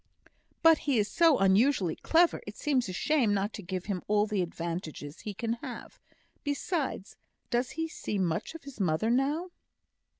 "But he is so unusually clever, it seems a shame not to give him all the advantages he can have. Besides, does he see much of his mother now?"